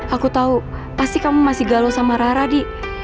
aku tahu pasti kamu masih galau sama rara di